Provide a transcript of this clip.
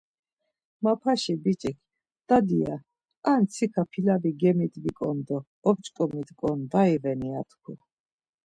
Mapaşi biç̌ik, Dadi, ya, Ar mtsika pilavi gemidvitǩon do op̌ç̌ǩomitǩon var iveni? ya tku.